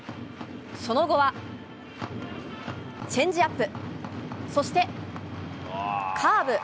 その後はチェンジアップ、そしてカーブ。